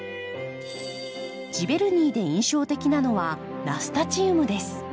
ジヴェルニーで印象的なのはナスタチウムです。